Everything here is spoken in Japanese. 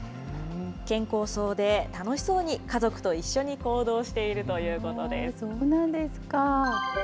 健康そうで、楽しそうに家族と一緒に行動しているということです。